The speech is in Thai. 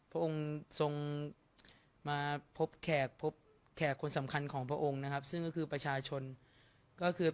พระองค์ทรงมาพบแขกพบแขกคนสำคัญของพระองค์นะครับซึ่งก็คือประชาชนก็คือ